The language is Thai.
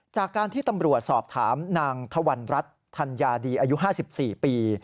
จากการที่ตำรวจสอบถามนางธวรรณรัฐธัญญาดีอายุ๕๔ปี